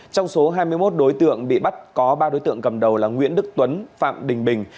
trong số hai mươi một đối tượng bị bắt có ba đối tượng cầm đầu là nguyễn đức tuấn phạm đình bình